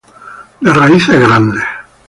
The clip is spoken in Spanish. De raíces grandes.